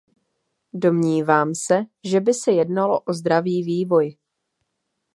Domnívám se, že by se jednalo o zdravý vývoj.